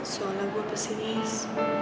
soalnya gue pesis